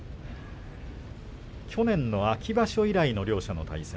去年の秋場所以来の両者の対戦。